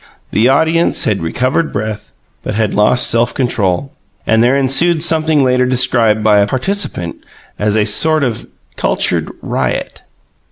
The audience had recovered breath, but had lost self control, and there ensued something later described by a participant as a sort of cultured riot.